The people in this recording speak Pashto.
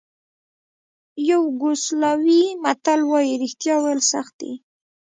یوګوسلاویې متل وایي رښتیا ویل سخت دي.